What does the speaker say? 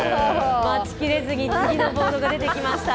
待ちきれずに次のボードが出てきました。